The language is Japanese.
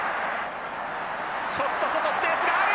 ちょっと外スペースがある。